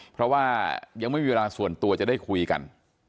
เพราะว่ายังไม่มีเวลาส่วนตัวจะได้คุยกัน